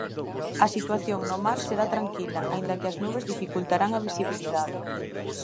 A situación no mar será tranquila, aínda que as nubes dificultarán a visibilidade.